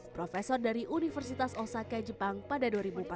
profesor dari universitas osaka jepang pada dua ribu empat belas